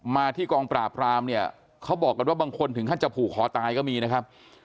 มาที่กองปราบรามเนี่ยเขาบอกกันว่าบางคนถึงขั้นจะผูกคอตายก็มีนะครับ